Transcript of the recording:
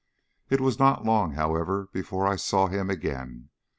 It was not long, however, before I saw him again.